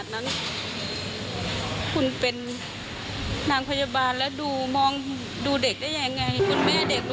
ตื่นแม่มาแล้ว